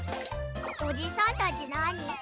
おじさんたちなに？